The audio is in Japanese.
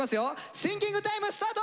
シンキングタイムスタート！